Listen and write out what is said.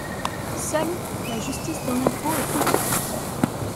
Seule, la justice dans l’impôt est politique.